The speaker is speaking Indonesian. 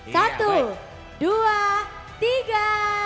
satu dua tiga